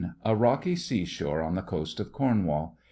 A rocky seashore on the coast of Cornwall.